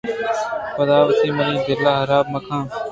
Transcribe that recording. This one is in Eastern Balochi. پداتو منی دلءَ حراب مہ کن